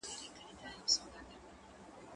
زه مخکي موبایل کارولی و